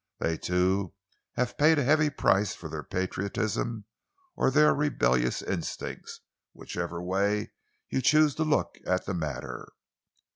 They, too, have paid a heavy price for their patriotism or their rebellious instincts, whichever way you choose to look at the matter."